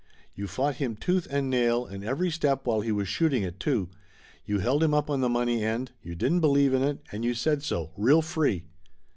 You fought him tooth and nail and every step while he was shooting it too. You held him up on the money end, you didn't believe in it, and you said so, real free.